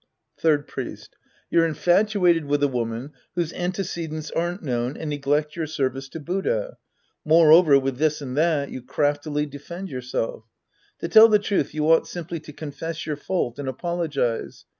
Third Priest. You're infatuated with a woman whose antecedents aren't known and neglect your service to Buddha ; moreover, with this and that, you craftily defend yourself To tell the truth, you ought simply to confess your fault and apologize.